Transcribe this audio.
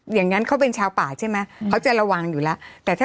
อย่างนั้นเขาเป็นชาวป่าใช่ไหมเขาจะระวังอยู่แล้วแต่ถ้า